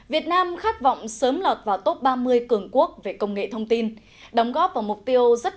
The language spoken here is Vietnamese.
việt nam khát vọng sớm lọt vào top ba mươi cường quốc về công nghệ thông tin đóng góp vào mục tiêu rất